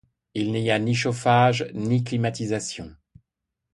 Il n’y a ni chauffage ni climatisation.